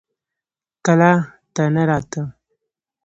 کلا ته نه راته.